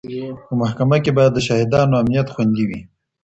په محکمه کي باید د شاهدانو امنیت خوندي وي.